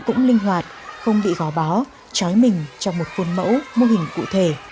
cũng linh hoạt không bị gó bó chói mình trong một phôn mẫu mô hình cụ thể